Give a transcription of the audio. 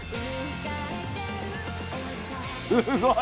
すごい！